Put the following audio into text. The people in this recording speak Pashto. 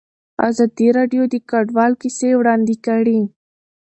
ازادي راډیو د کډوال کیسې وړاندې کړي.